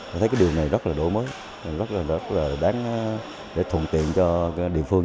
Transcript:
tôi thấy cái điều này rất là đổi mới rất là đáng để thuận tiện cho địa phương